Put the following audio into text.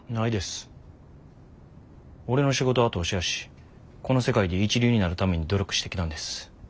俺の仕事は投資やしこの世界で一流になるために努力してきたんです。